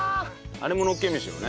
あれものっけ飯よね？